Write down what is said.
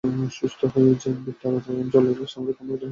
সুস্থ হয়ে তিনি জেএমবির ঢাকা অঞ্চলের সামরিক কমান্ডার হিসেবে কাজ করছিলেন।